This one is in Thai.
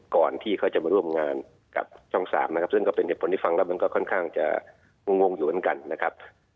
ก่อนที่เขาจะมาร่วมงานกับช่อง๓นะครับซึ่งก็เป็นเหตุผลที่ฟังแล้วมันก็ค่อนข้างจะงงอยู่เหมือนกันนะครับ